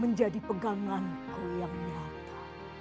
menjadi peganganku yang nyata